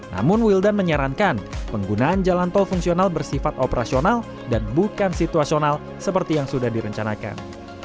namun wildan menyarankan penggunaan jalan tol fungsional bersifat operasional dan bukan situasional seperti yang sudah direncanakan